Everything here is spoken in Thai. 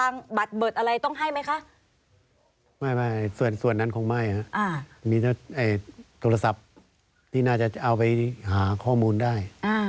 นี่น่าจะเอาไปหาข้อมูลได้